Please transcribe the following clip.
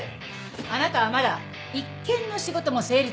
あなたはまだ一件の仕事も成立させてない。